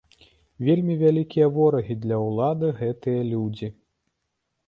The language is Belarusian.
Вельмі вялікія ворагі для ўлады гэтыя людзі!